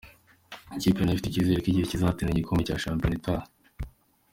Ikipe nayo ifite icyizere ko igiye guhatanira igikombe cya shampiyona itaha.